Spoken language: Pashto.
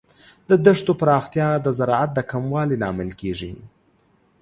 د دښتو پراختیا د زراعت د کموالي لامل کیږي.